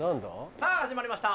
さぁ始まりました。